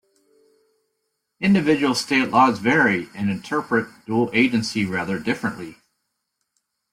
Individual state laws vary and interpret dual agency rather differently.